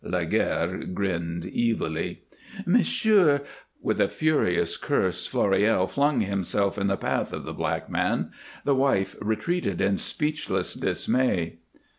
Laguerre grinned evilly. "Monsieur !" With a furious curse Floréal flung himself in the path of the black man; the wife retreated in speechless dismay.